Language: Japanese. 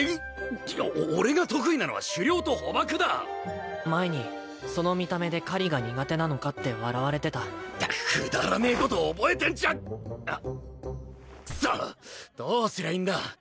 お俺が得意なのは狩猟と捕縛だ前にその見た目で狩りが苦手なのかって笑われてたくだらねえこと覚えてんじゃあっクソッどうすりゃいいんだ？